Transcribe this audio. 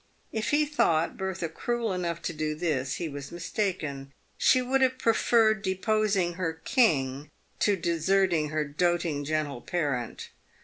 If he thought Bertha cruel enough to do this he was mistaken. She would have preferred deposing "her king" to deserting her doting, gentle parent.